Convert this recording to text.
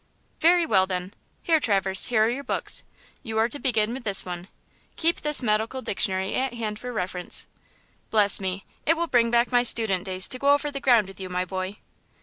"Very well, then. Here, Traverse, here are your books. You are to begin with this one; keep this medical dictionary at hand for reference. Bless me, it will bring back my student days to go over the ground with you, my boy."